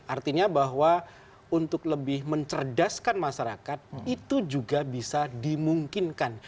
artinya bahwa untuk lebih mencerdaskan masyarakat itu juga bisa dimungkinkan